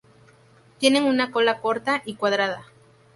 Tienen una cola corta y cuadrada.